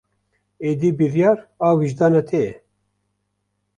Êdî biryar a wijdanê te ye.